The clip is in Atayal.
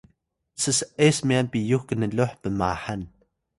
ss’es myan piyux knloh pnmahan